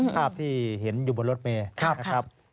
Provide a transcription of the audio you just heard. ภาพที่เห็นอยู่บนรถเมล์